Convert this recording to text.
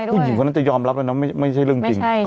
ผู้หญิงคนนั้นจะยอมรับแล้วนะไม่ใช่เรื่องจริง